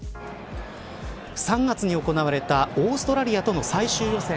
３月に行われたオーストラリアとの最終予選。